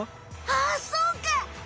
あそうか！